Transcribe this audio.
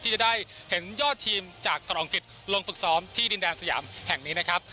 ที่จะได้เห็นยอดทีมจากกรองกิจลงฝึกซ้อมที่ดินแดนสยามแห่งนี้นะครับ